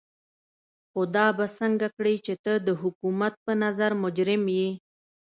خو دا به څنګه کړې چې ته د حکومت په نظر مجرم يې.